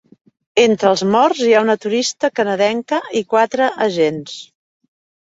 Entre els morts hi ha una turista canadenca i quatre agents.